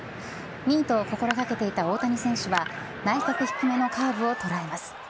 ミートを心がけていた大谷選手は、内角低めのカーブを捉えます。